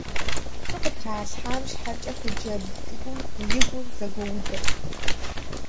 ПцӀы къытралъхьам щхьэкӀэ хъыджэбз цӀыкӀум и гур зэгуэудырт.